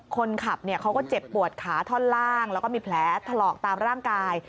คนขับเขาก็เจ็บปวดขาท่อนล่างแล้วก็มีแผลถลอกตามร่างกาย